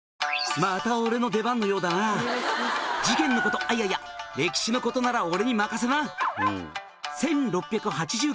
「また俺の出番のようだな」「事件のことあっいやいや歴史のことなら俺に任せな」